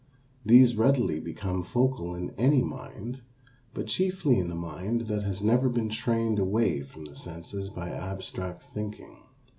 These readily become focal in any mind, but chiefly in the mind that has never been trained away from the senses by abstract thinking.